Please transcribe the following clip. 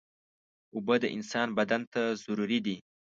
اوبه د انسان بدن ته ضروري دي.